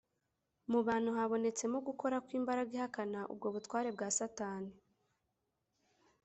. Mu bantu habonetsemo gukora kw’imbaraga ihakana ubwo butware bwa Satani